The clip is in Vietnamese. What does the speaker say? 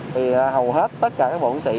thì hầu hết tất cả các bộ quân sĩ